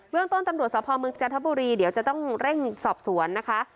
เวืองต้นตรสพเมืองจังหทะปุรีเดี๋ยวจะต้องเร่งสอบสวนนะคะ